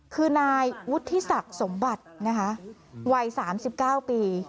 คือนายวุฒิษักสมบัตินะคะวัยสามสิบเก้าปี